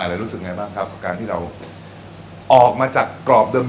แล้วกับการที่ออกมาจากกรอบเดิม